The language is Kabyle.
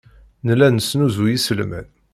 Nella nesnuzuy iselman.